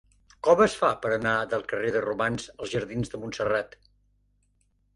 Com es fa per anar del carrer de Romans als jardins de Montserrat?